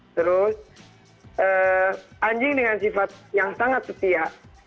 terus anjing dengan sifat yang sangat setia